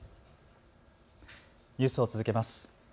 ニュースを続けます。